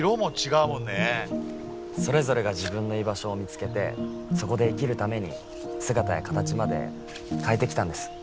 それぞれが自分の居場所を見つけてそこで生きるために姿や形まで変えてきたんです。